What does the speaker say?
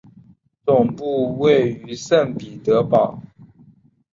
总部位于圣彼得堡。